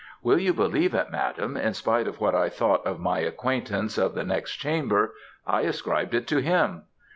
Will you believe it, Madam, in spite of what I thought of my acquaintance of the next chamber, I ascribed it to him.